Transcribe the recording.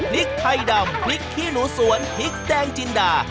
พริกไทยดำพริกขี้หนูสวนพริกแดงจินดา